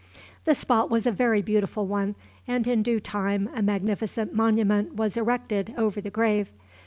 The spot was a very beautiful one, and in due time a magnificent monument was erected over the grave.